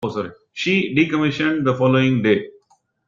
She decommissioned the following day.